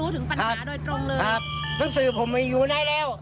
หนังสือผมมีอยู่ไหนแล้ว